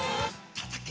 たたけ！